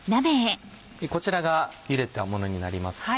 こちらがゆでたものになります。